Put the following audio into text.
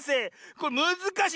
これむずかしい！